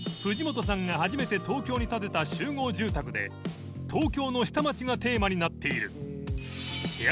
初めて東京に建てた集合住宅で東京の下町」がテーマになっている禀阿